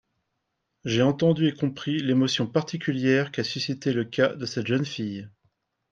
J’ai entendu et compris l’émotion particulière qu’a suscitée le cas de cette jeune fille.